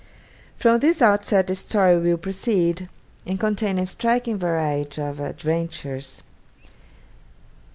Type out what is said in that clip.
. From this outset the story will proceed, and contain a striking variety of adventures.